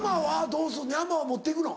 どうすんの山は持ってくの？